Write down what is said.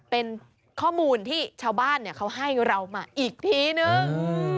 เป็นข้อมูลที่ชาวบ้านเขาให้เรามาอีกทีนึง